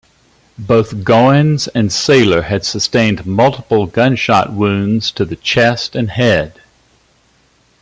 Both Goines and Sailor had sustained multiple gunshot wounds to the chest and head.